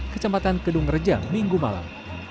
kecamatan kedung rejang minggu malam